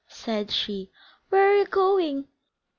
said she. "Where are you going?"